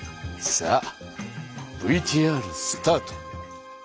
さあＶＴＲスタート。